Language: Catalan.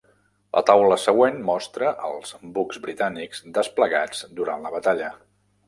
La taula següent mostra els bucs britànics desplegats durant la batalla.